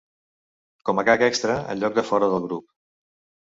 Com a gag extra, en lloc de Fore! del grup